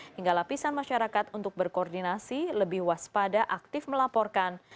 hingga lapisan masyarakat untuk berkoordinasi lebih waspada aktif melaporkan